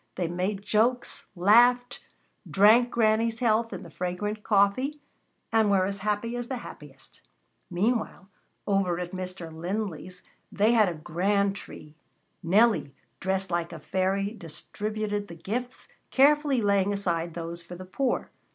They made jokes, laughed, drank Granny's health in the fragrant coffee, and were as happy as the happiest. Meanwhile, over at Mr. Linley's they had a grand tree. Nellie, dressed like a fairy, distributed the gifts, carefully laying aside those for the poor.